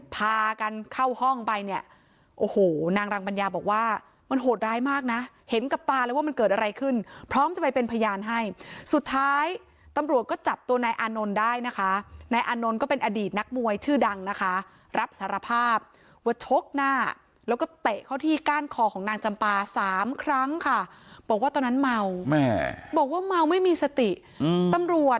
พากันเข้าห้องไปเนี่ยโอ้โหนางรังปัญญาบอกว่ามันโหดร้ายมากนะเห็นกับตาเลยว่ามันเกิดอะไรขึ้นพร้อมจะไปเป็นพยานให้สุดท้ายตำรวจก็จับตัวนายอานนท์ได้นะคะนายอานนท์ก็เป็นอดีตนักมวยชื่อดังนะคะรับสารภาพว่าชกหน้าแล้วก็เตะเข้าที่ก้านคอของนางจำปาสามครั้งค่ะบอกว่าตอนนั้นเมาแม่บอกว่าเมาไม่มีสติตำรวจ